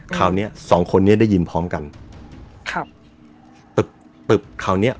คราวเนี้ยสองคนเนี้ยได้ยินพร้อมกันครับตึกตึกคราวเนี้ย